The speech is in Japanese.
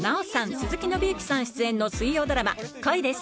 鈴木伸之さん出演の水曜ドラマ『恋です！